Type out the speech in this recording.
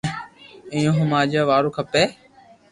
اينو ھمجايا وارو کپي